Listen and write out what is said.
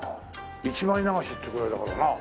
一枚流しっていうぐらいだからな。